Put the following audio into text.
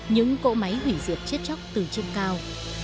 những cỗ máy hủy diệt chết chóc từ trên cao